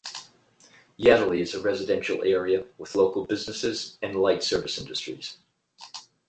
Yateley is a residential area with local businesses and light service industries.